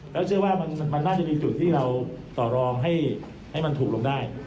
แล้วเชื่อว่ามันน่าจะมีจุดที่เราต่อรองให้มันถูกลงได้